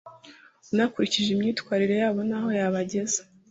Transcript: unakurikije imyitwarire yabo ntahoyabageza